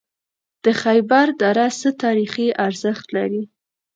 د خیبر دره څه تاریخي ارزښت لري؟